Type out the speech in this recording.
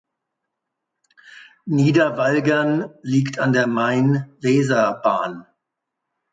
Niederwalgern liegt an der Main-Weser-Bahn.